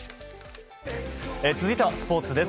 続いてはスポーツです。